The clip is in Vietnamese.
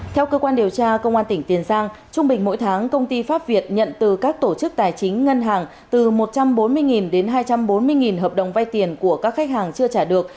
theo cơ quan điều tra công an tỉnh tiền giang trung bình mỗi tháng công ty pháp việt nhận từ các tổ chức tài chính ngân hàng từ một trăm bốn mươi đến hai trăm bốn mươi hợp đồng vay tiền của các khách hàng chưa trả được